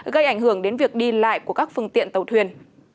gây ảnh hưởng đến việc đi lại của các phương tiện tàu thuyền